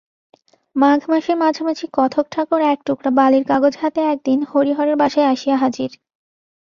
মাঘ মাসের মাঝামাঝি কথকঠাকুর এক টুকরা বালির কাগজ হাতে একদিন হরিহরের বাসায় আসিয়া হাজির।